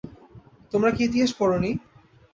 তোমরা কি ইতিহাস পড় নি?